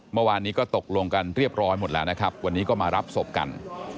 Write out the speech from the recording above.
เมื่อวานนี้ก็ตกลงกันเรียบร้อยหมดแล้วนะครับวันนี้ก็มารับศพกัน